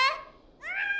うん！